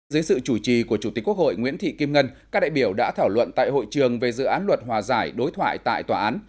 dưới sự chủ trì của chủ tịch quốc hội nguyễn thị kim ngân các đại biểu đã thảo luận tại hội trường về dự án luật hòa giải đối thoại tại tòa án